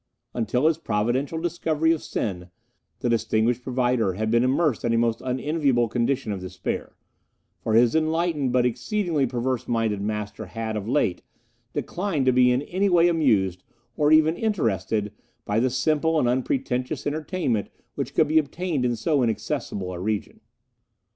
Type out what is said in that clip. Until his providential discovery of Sen, the distinguished Provider had been immersed in a most unenviable condition of despair, for his enlightened but exceedingly perverse minded master had, of late, declined to be in any way amused, or even interested, by the simple and unpretentious entertainment which could be obtained in so inaccessible a region.